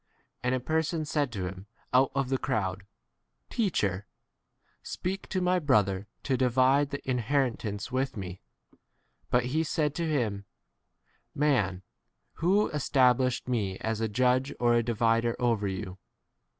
13 And a person said to him out of the crowd, Teacher, speak to my brother to divide the in 14 heritance with me. But he said to him, Man, who established me [as] a judge or a divider over you